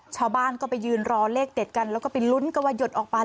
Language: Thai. ชาวบ้านก็ไปยืนรอเลขเด็ดกันแล้วก็ไปลุ้นกันว่าหยดออกไป